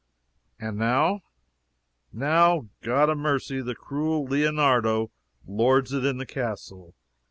"And now?" "Now! God 'a mercy, the cruel Leonardo lords it in the castle.